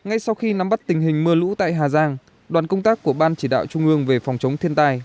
ngay sau khi nắm bắt tình hình mưa lũ tại hà giang đoàn công tác của ban chỉ đạo trung ương về phòng chống thiên tai